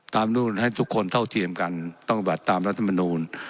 ตามนู่นให้ทุกคนเท่าเทียมกันต้องรับตามรัฐมนูน